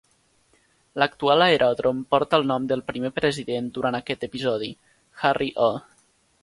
L'actual aeròdrom porta el nom del primer president durant aquest episodi, Harry O.